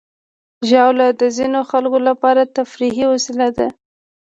ژاوله د ځینو خلکو لپاره تفریحي وسیله ده.